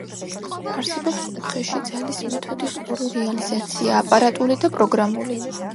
არსებობს უხეში ძალის მეთოდის ორი რეალიზაცია: აპარატული და პროგრამული.